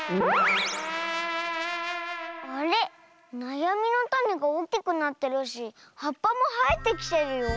なやみのタネがおおきくなってるしはっぱもはえてきてるよ。